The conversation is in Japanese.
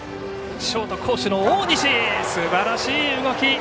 ショート攻守の大西すばらしい動き。